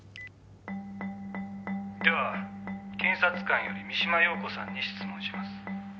では検察官より三島陽子さんに質問します」